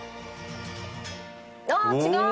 ああ違う！